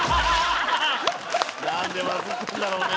何でバズってんだろうね。